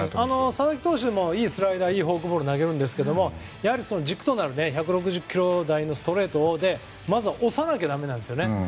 佐々木投手もいいスライダーやフォークを投げますが、軸となる１６０キロ台のストレートでまずは押さなきゃだめなんですよね。